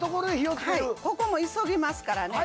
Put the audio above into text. はいここも急ぎますからね